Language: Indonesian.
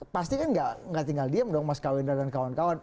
pasti kan gak tinggal diam dong mas kawendra dan kawan kawan